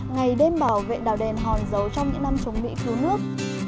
ngày đêm bảo vệ đảo đèn hòn giấu trong những năm chống mỹ cứu nước